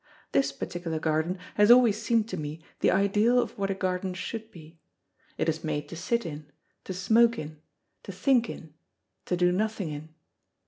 This particular garden has always seemed to me the ideal of what a garden should be. It is made to sit in, to smoke in, to think in, to do nothing in.